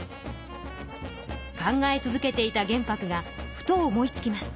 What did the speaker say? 考え続けていた玄白がふと思いつきます。